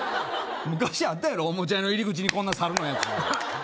昔あったやろうおもちゃ屋の入り口にこんな猿のやつ。